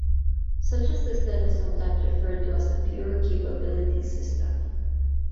Such a system is sometimes referred to as a "pure" capability system.